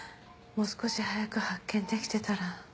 もう少し早く発見できてたら。